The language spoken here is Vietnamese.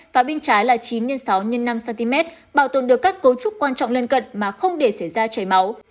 phái bên trái là chín x sáu x năm cm bảo tồn được các cấu trúc quan trọng lân cận mà không để xảy ra chảy máu